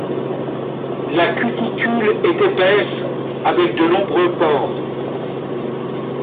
La cuticule est épaisse, avec de nombreux pores.